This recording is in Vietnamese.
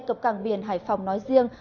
cập cảng biển hải phòng nói riêng